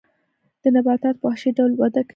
دې نباتاتو په وحشي ډول وده کوله.